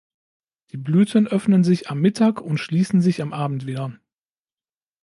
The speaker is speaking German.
Die Blüten öffnen sich am Mittag uns schließen sich am Abend wieder.